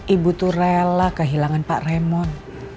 ibu tuh rela kehilangan pak ramon